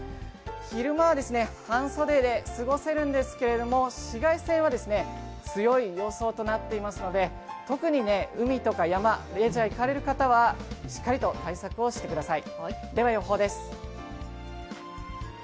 昼間は半袖で過ごせるんですけれども、紫外線は強い予想となっていますので、特に海とか山、レジャーへ行かれる方はしっかりと対策をしてください。